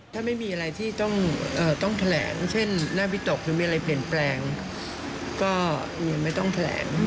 อยู่ในความดูแลของแพทย์ยังขัดวิกฤษอยู่